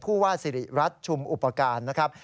ผู้ว่าสิริรัตนชุมอุปการณ์นะครับ